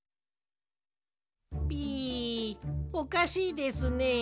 ピおかしいですね。